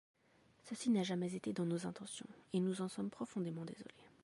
Ceci n'a jamais été dans nos intentions et nous en sommes profondément désolés.